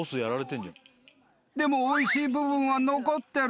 ［でもおいしい部分は残ってる］